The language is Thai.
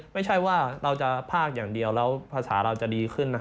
ไม่ใช่ว่าเราจะภาคอย่างเดียวแล้วภาษาเราจะดีขึ้น